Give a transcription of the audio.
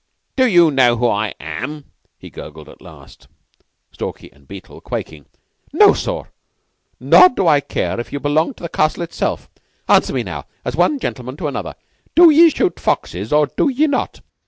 "Do you know who I am?" he gurgled at last; Stalky and Beetle quaking. "No, sorr, nor do I care if ye belonged to the Castle itself. Answer me now, as one gentleman to another. Do ye shoot foxes or do ye not?"